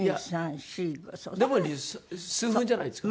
数分じゃないですか？